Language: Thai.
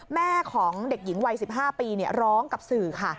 แม่ของเด็กหญิงวัย๑๕ปีร้องกับสื่อค่ะ